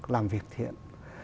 làm việc thiện